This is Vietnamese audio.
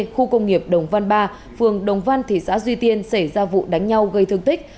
khu công nghiệp đồng văn ba phường đồng văn thị xã duy tiên xảy ra vụ đánh nhau gây thương tích